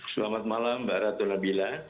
selamat malam mbak ratu nabila